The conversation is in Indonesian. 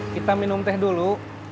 kita minum teh dulu